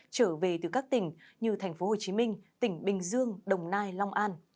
trở về từ các tỉnh như tp hcm tỉnh bình dương đồng nai long an